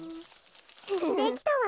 できたわ。